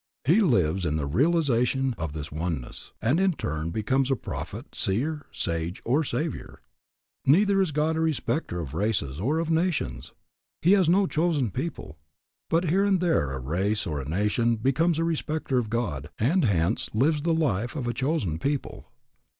He lives in the realization of this oneness, and in turn becomes a prophet, seer, sage, or saviour. Neither is God a respecter of races or of nations. He has no chosen people; but here and there a race or nation becomes a respecter of God and hence lives the life of a chosen people.